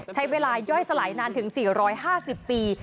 ใช้เวลาย่อยสลายนานถึง๔๕๐ปี